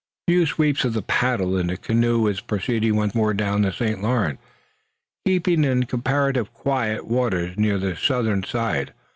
A few sweeps of the paddle and the canoe was proceeding once more down the St. Lawrence, keeping in comparatively quiet waters near the southern side.